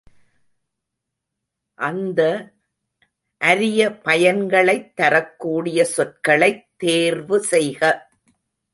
அந்த, அரிய பயன்களைத் தரக்கூடிய சொற்களைத் தேர்வு செய்க.